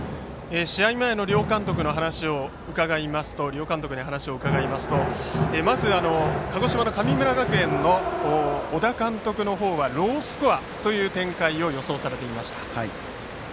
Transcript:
試合前の両監督に話を伺いますとまず鹿児島の神村学園の小田監督はロースコアの展開を予想されていました。